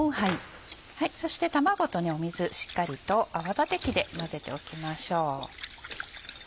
そして卵と水しっかりと泡立て器で混ぜておきましょう。